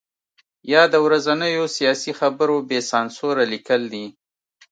یا د ورځنیو سیاسي خبرو بې سانسوره لیکل دي.